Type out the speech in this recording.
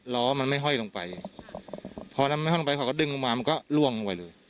ล้อมันไม่ห้อยลงไปพอแล้วไม่ห้อยลงไปเขาก็ดึงลงมามันก็ล่วงลงไปเลย